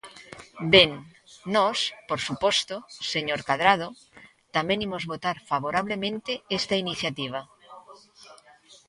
Ben, nós, por suposto, señor Cadrado, tamén imos votar favorablemente esta iniciativa.